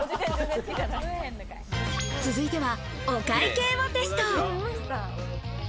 続いては、お会計をテスト。